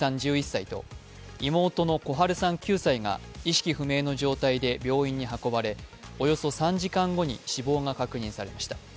１１歳と妹の心陽さん９歳が意識不明の状態で病院に運ばれおよそ３時間後に死亡が確認されました。